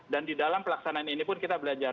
dan di dalam pelaksanaan ini pun kita belajar